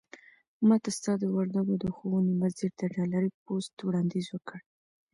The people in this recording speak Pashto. ماته ستا د وردګو د ښوونې وزير د ډالري پست وړانديز وکړ.